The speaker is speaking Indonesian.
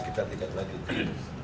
kita tidak lanjutin